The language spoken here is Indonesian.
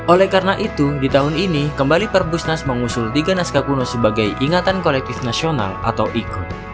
oleh karena itu di tahun ini kembali perbusnas mengusul tiga naskah kuno sebagai ingatan kolektif nasional atau iko